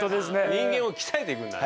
人間を鍛えていくんだね。